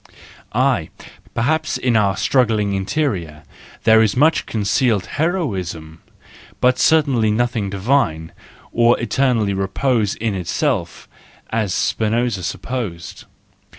Aye, perhaps in our struggling interior there is much concealed heroism , but certainly nothing divine, or eternally reposing in itself, as Spinoza supposed.